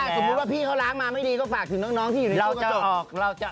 สมมุติว่าพี่เขาล้างมาไม่ดีก็ฝากถึงน้องที่อยู่ในตู้กระจก